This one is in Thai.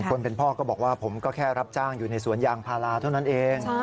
คนเป็นพ่อก็บอกว่าผมก็แค่รับจ้างอยู่ในสวนยางพาราเท่านั้นเอง